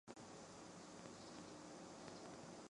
鸭嘴薄壳蛤为薄壳蛤科薄壳蛤属下的一个种。